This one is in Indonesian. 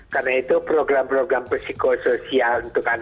karena itu program program psikosoial untuk anak anak